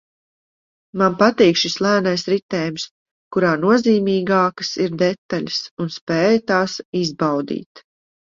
Man patīk šis lēnais ritējums, kurā nozīmīgākas ir detaļas un spēja tās izbaudīt